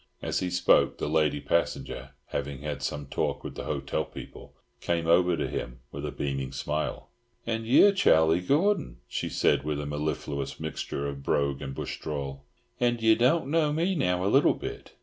As he spoke, the lady passenger, having had some talk with the hotel people, came over to him with a beaming smile. "And ye're Charlie Gordon," she said with a mellifluous mixture of brogue and bush drawl. "An' ye don't know me now, a little bit?